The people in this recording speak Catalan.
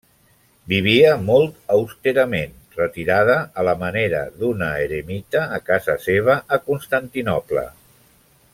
Vivia molt austerament, retirada a la manera d'una eremita, a casa seva, a Constantinoble.